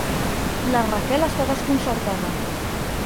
La Raquel està desconcertada.